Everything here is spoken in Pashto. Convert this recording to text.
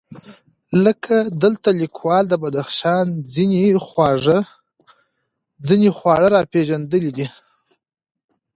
لکه دلته لیکوال د بدخشان ځېنې خواړه راپېژندلي دي،